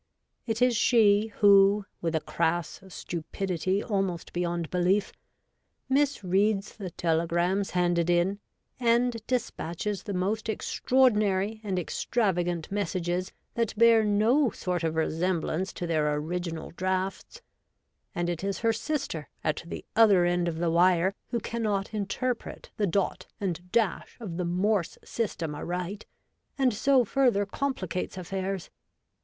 It is she who, with a crass stupidity almost beyond belief, misreads the telegrams handed in, and despatches the most ex traordinary and extravagant messages that bear no sort of resemblance to their original draughts, and it is her sister at the other end of the wire who cannot interpret the dot and dash of the Morse system aright, and so further complicates affairs.